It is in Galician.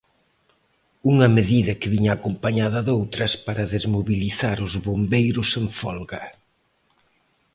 Unha medida que viña acompañada doutras para desmobilizar os bombeiros en folga.